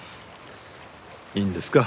いいんですか？